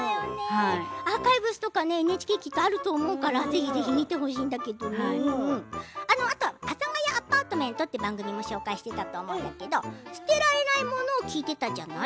アーカイブスとかＮＨＫきっとあると思うから見てほしいんだけどもあと「阿佐ヶ谷アパートメント」という番組も紹介していたけど捨てられないものを聞いていたじゃない？